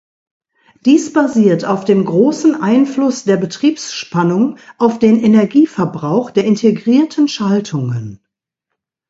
Dies basiert auf dem großen Einfluss der Betriebsspannung auf den Energieverbrauch der integrierten Schaltungen.